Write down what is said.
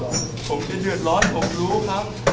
ผมจะเดือดร้อนผมรู้ครับ